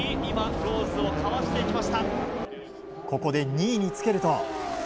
ここで２位につけると。